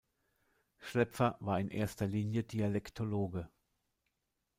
Schläpfer war in erster Linie Dialektologe.